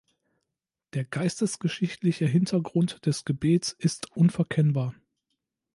Der geistesgeschichtliche Hintergrund des Gebets ist unverkennbar.